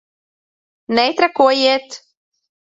Netrakojiet!